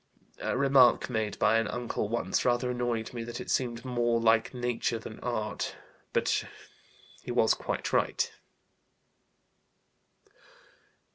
A remark made by an uncle once rather annoyed me: that it seemed more like nature than art. But he was quite right."